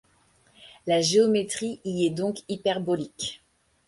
La géométrie y est donc hyperbolique.